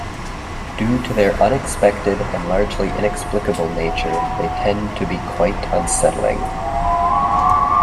Due to their unexpected and largely inexplicable nature, they tend to be quite unsettling.